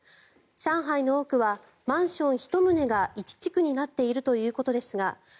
上海の多くはマンション１棟が１地区になっているということですが